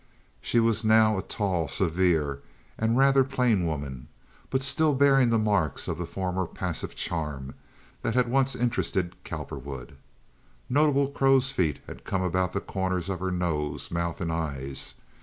She was now a tall, severe, and rather plain woman, but still bearing the marks of the former passive charm that had once interested Cowperwood. Notable crows' feet had come about the corners of her nose, mouth, and eyes.